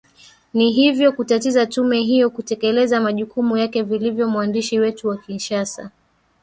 na hivyo kutatiza tume hiyo kutekeleza majukumu yake vilivyo mwandishi wetu wa kinshasa